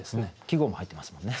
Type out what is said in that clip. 季語も入ってますもんね。